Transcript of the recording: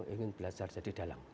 ingin belajar jadi dalang